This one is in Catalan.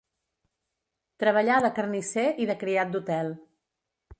Treballà de carnisser i de criat d'hotel.